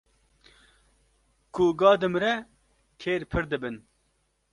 Ku ga dimre kêr pir dibin.